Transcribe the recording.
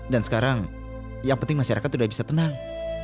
dan sekarang yang penting masyarakat udah bisa tenang